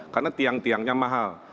karena tiang tiangnya mahal